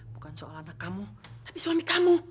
bukan soal anak kamu tapi suami kamu